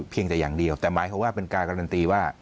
เพียงแต่อย่างเดียวแต่หมายความว่าเป็นการการันตีว่า